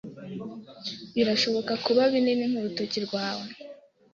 birashoboka kuba binini nk'urutoki rwawe